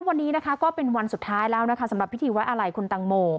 วันนี้นะคะก็เป็นวันสุดท้ายแล้วนะคะสำหรับพิธีไว้อาลัยคุณตังโม